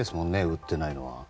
撃っていないのは。